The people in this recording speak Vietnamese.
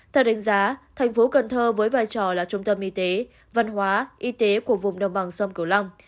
theo đánh giá tp hcm với vai trò là trung tâm y tế văn hóa y tế của vùng đồng bằng sông cửu long